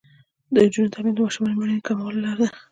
د نجونو تعلیم د ماشومانو مړینې کمولو لاره ده.